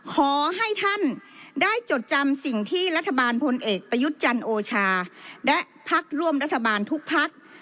ขอให้ท่านได้จดจำสิ่งที่รัฐบาลพลเอกประยุทธ์จันทร์โอชาและพักร่วมรัฐบาลทุกพัก